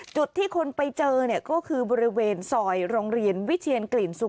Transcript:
จุดที่คนไปเจอเนี่ยก็คือบริเวณซอยโรงเรียนวิเชียนกลิ่นสุก